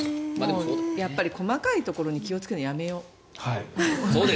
やっぱり細かいところに気をつけるのやめよう。